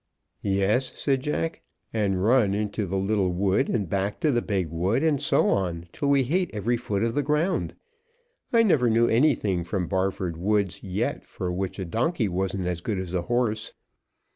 "Yes," said Jack, "and run into the little wood and back to the big wood, and so on till we hate every foot of the ground. I never knew anything from Barford Woods yet for which a donkey wasn't as good as a horse."